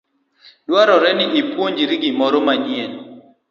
Dwarore ni ipuonjri gimoro manyien.